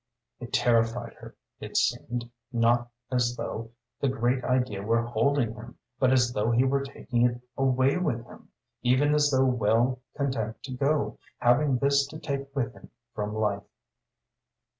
It terrified her; it seemed, not as though the great idea were holding him, but as though he were taking it away with him, even as though well content to go, having this to take with him from life.